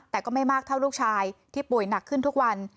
แต่ก็ไม่มากเท่าลูกชายที่ป่วยหนักขึ้นทุกวัน